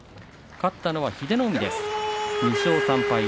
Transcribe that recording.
勝ったのは英乃海です。